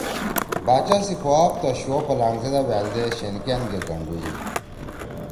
باچا سی پو آپتا شو پلانگ زیدا وألدے شین کان گے گھنڈُودُو۔